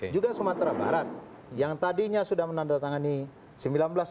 juga sumatera barat yang tadinya sudah menandatangani sembilan belas